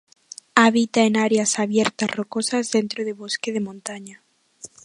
Habita en áreas abiertas rocosas dentro de bosque de montaña.